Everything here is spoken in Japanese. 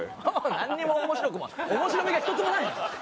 なんにも面白くも面白みが一つもない！